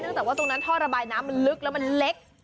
จากว่าตรงนั้นท่อระบายน้ำมันลึกแล้วมันเล็ก